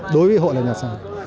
đối với hộ là nhà sàn